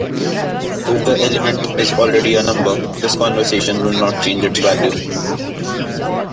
If the element is already a number, this conversion will not change its value.